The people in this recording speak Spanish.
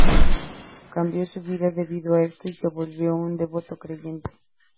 Cambió su vida debido a esto, y se volvió un devoto creyente.